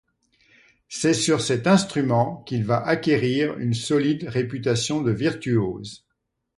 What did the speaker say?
C’est sur cet instrument qu’il va acquérir une solide réputation de virtuose.